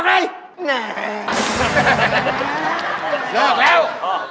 เลิกแล้ว